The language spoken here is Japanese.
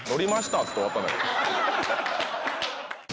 って言って終わったんだから。